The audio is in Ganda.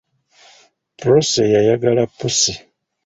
Prosy yayagala pussi.